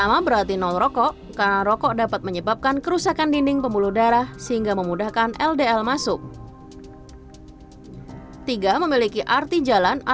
nah berikut beberapa tips dari dr surya